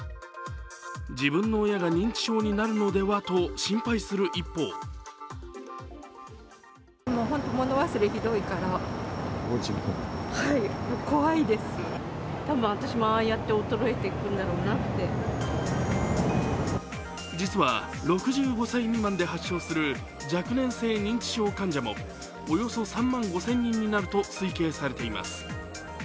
自分の親が認知症になるのではと心配する一方実は、６５歳未満で発症する若年性認知症患者もおよそ３万５０００人になると推計されています。